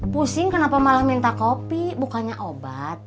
pusing kenapa malah minta kopi bukannya obat